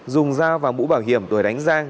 dùng giao và mũ bảo hiểm đổi đánh giang